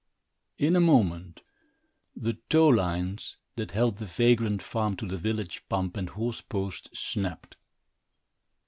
In a moment, the tow lines, that held the vagrant farm to the village pump and horse post, snapped.